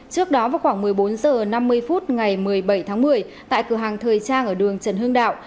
trước đó vào khoảng một mươi bốn h năm mươi phút ngày một mươi bảy tháng một mươi tại cửa hàng thời trang ở đường trần hương đạo